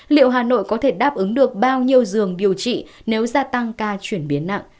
liệu hà nội có thể đáp ứng được bao nhiêu giường điều trị nếu gia tăng ca chuyển biến nặng